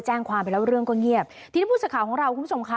แจ้งความไปแล้วเรื่องก็เงียบทีนี้ผู้สื่อข่าวของเราคุณผู้ชมค่ะ